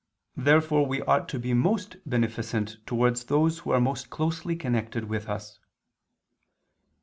Therefore we ought to be most beneficent towards those who are most closely connected with us.